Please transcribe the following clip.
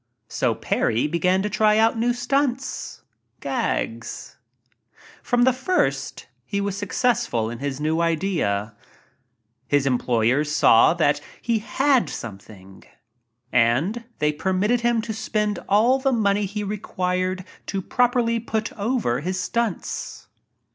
So Parry began to try out new stunts — "gags." From the first he was successful in his new idea. 44 THE "GOLD DIGGER" His employers saw that he "had something" and they permitted him to spend all the money he re quired to properly "put over" his stunts.